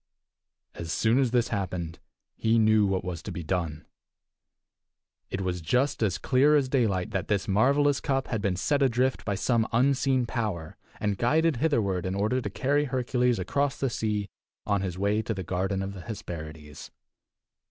As soon as this happened he knew what was to be done. It was just as clear as daylight that this marvelous cup had been set adrift by some unseen power, and guided hitherward in order to carry Hercules across the sea on his way to the garden of the Hesperides.